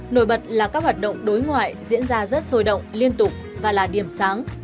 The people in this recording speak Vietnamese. nổi bật là các hoạt động đối ngoại diễn ra rất sôi động liên tục và là điểm sáng